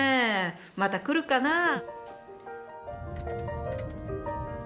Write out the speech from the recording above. また来るかなあ。